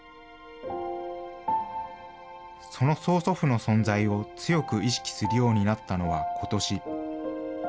その曽祖父の存在を強く意識するようになったのはことし。